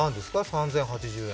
３０８０円。